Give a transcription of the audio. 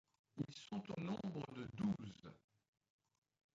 Ils sont au nombre de douze.